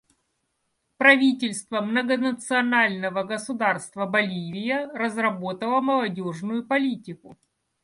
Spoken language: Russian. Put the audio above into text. Правительство Многонационального Государства Боливия разработало молодежную политику.